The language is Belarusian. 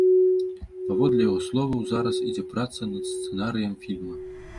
Паводле яго словаў, зараз ідзе праца над сцэнарыем фільма.